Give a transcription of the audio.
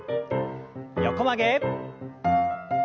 横曲げ。